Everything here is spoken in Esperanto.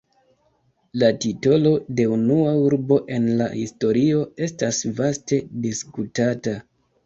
La titolo de "unua urbo en la historio" estas vaste diskutata.